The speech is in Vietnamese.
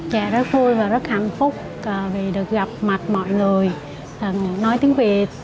chả rất vui và rất hạnh phúc vì được gặp mặt mọi người nói tiếng việt